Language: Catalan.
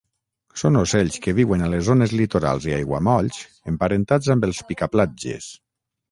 Són ocells que viuen a les zones litorals i aiguamolls emparentats amb els picaplatges.